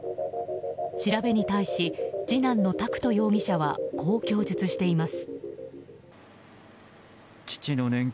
調べに対し、次男の拓人容疑者はこう供述しています。